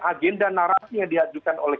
agenda narasi yang diajukan oleh